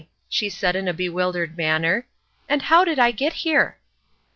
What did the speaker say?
she said in a bewildered manner; "and how did I get here?"